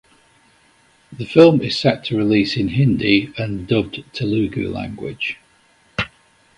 The film is set to release in Hindi and dubbed Telugu language.